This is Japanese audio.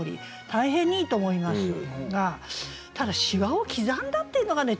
大変にいいと思いますがただ「しわを刻んだ」っていうのがね